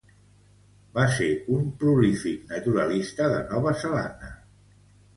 Va ser un prolífic naturalista de Nova Zelanda.